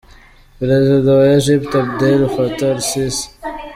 Perezida wa Egypt Abdel Fattah Al-Sisi